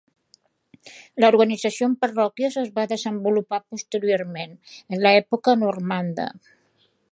L'organització en parròquies es va desenvolupar posteriorment, en l'època normanda.